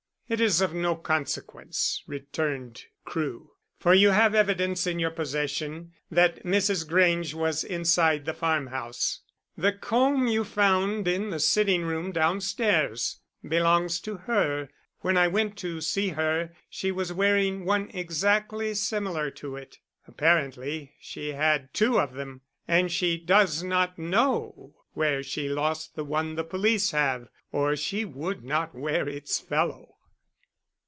"It is of no consequence," returned Crewe, "for you have evidence in your possession that Mrs. Grange was inside the farmhouse. The comb you found in the sitting room downstairs belongs to her. When I went to see her she was wearing one exactly similar to it. Apparently she had two of them. And she does not know where she lost the one the police have, or she would not wear its fellow."